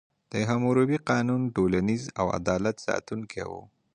د حموربي قانون ټولنیز او عدالت ساتونکی و.